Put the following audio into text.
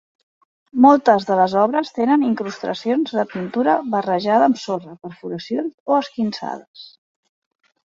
Moltes de les obres tenen incrustacions de pintura barrejada amb sorra, perforacions o esquinçades.